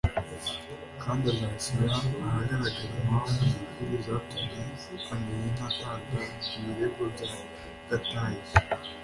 kandi azashyira ahagaragara impamvu nyakuri zatumye Angelina atanga ibirego bya gatanya